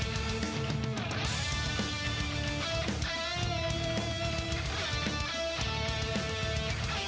นี่ครับหัวมาเจอแบบนี้เลยครับวงในของพาราดอลเล็กครับ